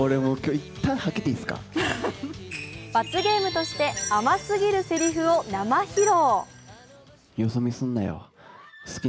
罰ゲームとして甘すぎるせりふを披露。